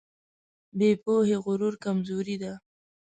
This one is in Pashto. بې پوهې غرور کمزوري ده.